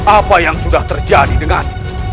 apa yang sudah terjadi dengan